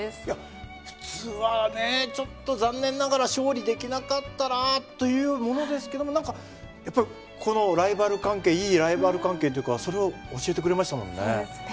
いや普通はねちょっと残念ながら勝利できなかったなというものですけども何かこのいいライバル関係というかそれを教えてくれましたもんね。